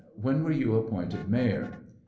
When were you appointed mayor? A.